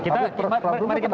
tapi peranggungnya tidak ada